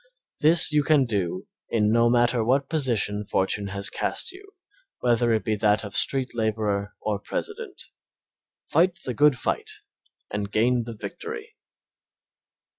This you can do in no matter what position fortune has cast you, whether it be that of street laborer or president. Fight the good fight and gain the victory.